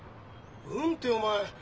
「うん」ってお前。